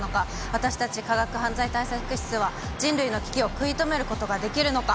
私たち科学犯罪対策室は、人類の危機を食い止めることができるのか。